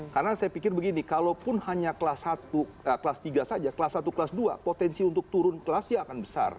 karena saya pikir begini kalaupun hanya kelas tiga saja kelas satu kelas dua potensi untuk turun kelas ya akan besar